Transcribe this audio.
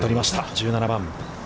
１７番。